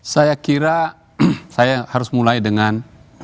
saya kira saya harus mulai dengan